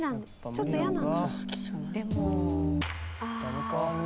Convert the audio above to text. ちょっと嫌なんだ。